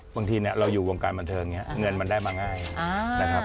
บางทีเราอยู่วงการบันเทิงอย่างนี้เงินมันได้มาง่ายนะครับ